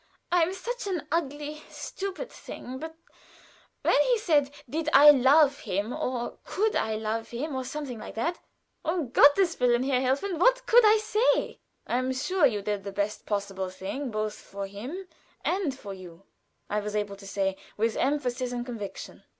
I am such an ugly, stupid thing, but when he said did I love him or could I love him, or something like that, um Gotteswillen, Herr Helfen, what could I say?" "I am sure you did the best possible thing both for him and for you," I was able to say, with emphasis and conviction.